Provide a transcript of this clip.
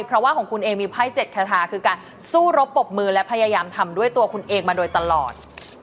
เพราะว่าของคุณเองมีไพ่๗คาทาคือการสู้รบปรบมือและพยายามทำด้วยตัวคุณเองมาโดยตลอด